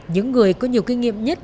những người có nhiều kinh nghiệm nhất